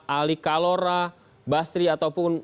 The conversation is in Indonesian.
ali kalora basri ataupun